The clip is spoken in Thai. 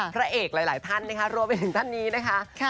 พระเอกหลายท่านนะคะรวมไปถึงท่านนี้นะคะ